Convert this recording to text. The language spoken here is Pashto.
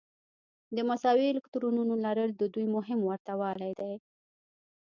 د مساوي الکترونونو لرل د دوی مهم ورته والی دی.